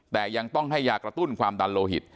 แต่ยังต้องให้ยากระตุ้นความดันโลหิต